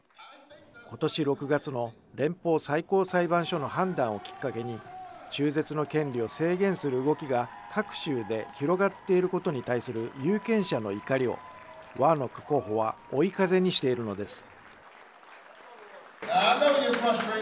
ことし６月の連邦最高裁判所の判断をきっかけに、中絶の権利を制限する動きが各州で広がっていることに対する有権者の怒りを、ワーノック候補は追い風にしているのです。